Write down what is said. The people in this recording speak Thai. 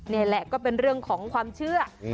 นี่แหละก็เป็นเรื่องของความเชื่อ